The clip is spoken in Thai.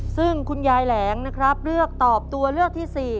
ซึ่งคุณยายแหลงนะครับเลือกตอบตัวเลือกที่๔